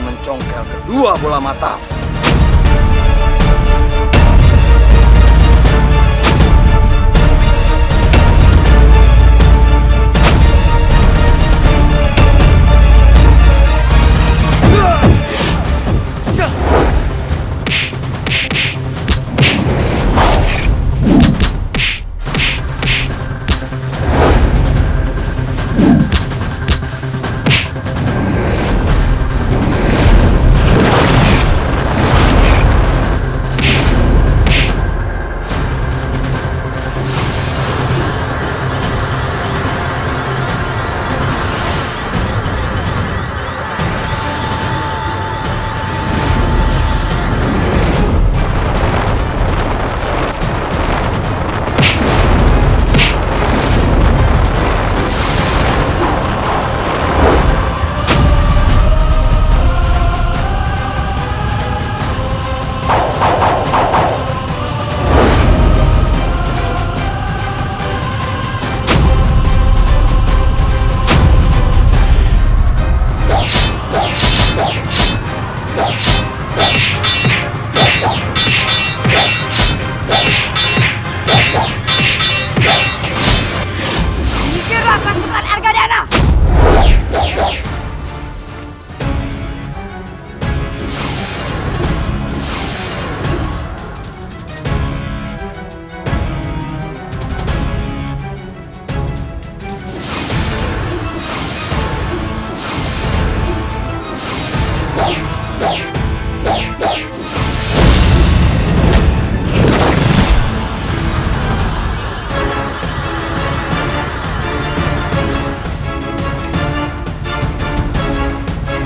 menginik ketika saya masih tentang